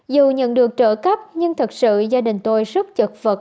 dù nhận được trợ cấp nhưng thật sự gia đình tôi rất chật vật